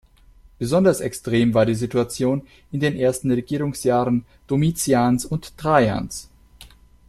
Besonders extrem war die Situation in den ersten Regierungsjahren Domitians und Trajans.